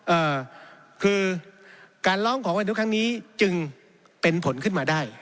เอ่อคือการร้องของวัยรุ่นครั้งนี้จึงเป็นผลขึ้นมาได้